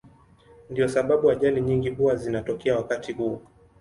Ndiyo sababu ajali nyingi huwa zinatokea wakati huo.